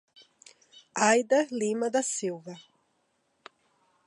Ayder Lima da Silva